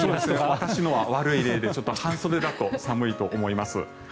私のは悪い例で半袖だと寒いと思います。